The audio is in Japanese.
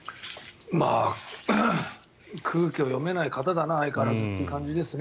空気を読めない方だな相変わらずという感じですね。